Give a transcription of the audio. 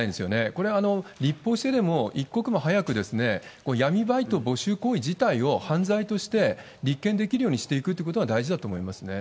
これ、立法してでも一刻も早く闇バイト募集行為自体を犯罪として立件できるようにしていくということが大事だと思いますね。